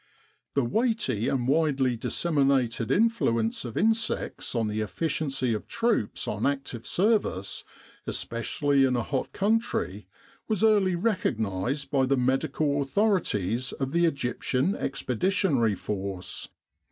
The weighty and widely disseminated influence of insects on the efficiency of troops on active service, especially in a hot country, was early recognised by 163 With the R.A.M.C. in Egypt the medical authorities of the Egyptian Expeditionary Force.